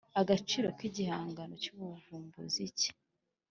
agaciro k igihangano cy ubuvumbuzi cye